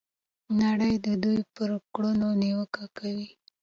نړۍ د دوی پر کړنو نیوکې کوي.